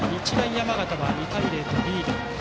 山形は２対０とリード。